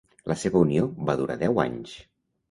La seva unió va durar deu anys.